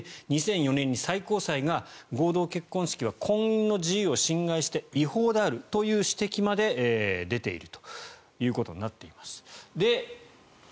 で、２００４年に最高裁が合同結婚式は婚姻の自由を侵害して違法という指摘も出ているということです。